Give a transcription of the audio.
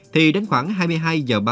thì đến khoảng hai mươi hai h ba mươi